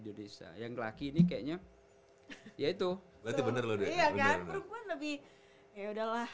diodesa yang laki ini kayaknya ya itu berarti bener loh iya kan perempuan lebih ya udahlah